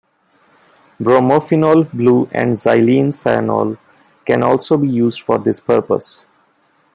Bromophenol blue and xylene cyanol can also be used for this purpose.